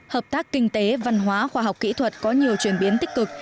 hợp tác kinh tế văn hóa khoa học kỹ thuật có nhiều chuyển biến tích cực